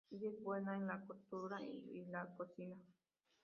Ella es buena en la costura y la cocina.